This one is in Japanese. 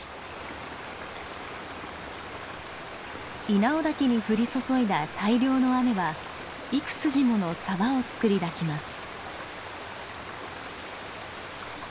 稲尾岳に降り注いだ大量の雨は幾筋もの沢をつくり出します。